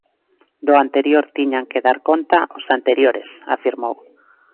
Do "anterior" tiñan que dar conta os "anteriores", afirmou.